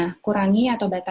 nah kurangi atau kurangkan